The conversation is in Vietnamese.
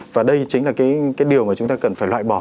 và đây chính là cái điều mà chúng ta cần phải loại bỏ